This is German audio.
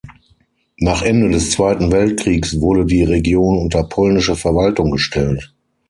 Nach Ende des Zweiten Weltkriegs wurde die Region unter polnische Verwaltung gestellt.